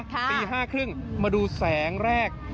ตี๕๓๐มาดูแสงแรก